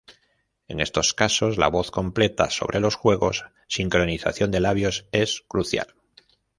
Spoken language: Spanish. En estos casos la voz completa sobre los juegos, sincronización de labios es crucial.